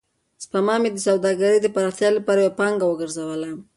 سپما مې د سوداګرۍ د پراختیا لپاره یوه پانګه وګرځوله.